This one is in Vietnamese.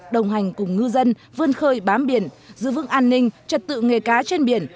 đồng hành cùng ngư dân vươn khơi bám biển giữ vững an ninh trật tự nghề cá trên biển